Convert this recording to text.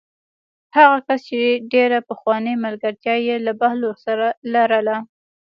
هغه کس چې ډېره پخوانۍ ملګرتیا یې له بهلول سره لرله.